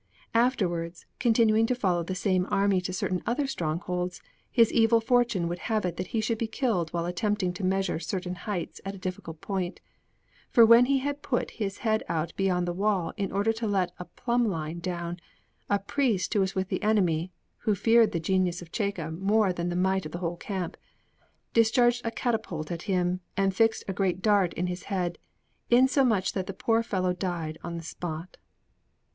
Afterwards, continuing to follow the same army to certain other strongholds, his evil fortune would have it that he should be killed while attempting to measure certain heights at a difficult point; for when he had put his head out beyond the wall in order to let a plumb line down, a priest who was with the enemy (who feared the genius of Cecca more than the might of the whole camp) discharged a catapult at him and fixed a great dart in his head, insomuch that the poor fellow died on the spot.